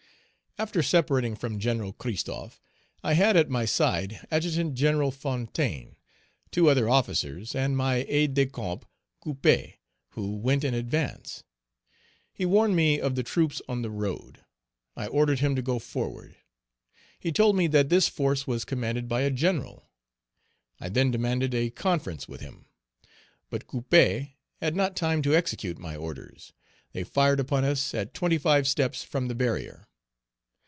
After separating from Gen. Christophe, I had at my side Adjutant General Page 299 Fontaine, two other officers, and my aide de camp, Couppé, who went in advance; he warned me of the troops on the road. I ordered him to go forward. He told me that this force was commanded by a general. I then demanded a conference with him. But Couppé had not time to execute my orders; they fired upon us at twenty five steps from the barrier.